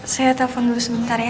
saya telepon dulu sebentar ya